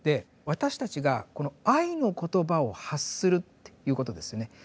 私たちがこの愛の言葉を発するっていうことですよね。